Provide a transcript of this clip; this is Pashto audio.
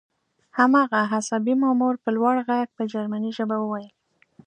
هماغه عصبي مامور په لوړ غږ په جرمني ژبه وویل